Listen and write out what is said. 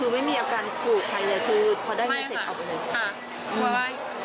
คือไม่มีอาการสูดใครแต่คือพอได้เงินเสร็จออกเลยค่ะอ่า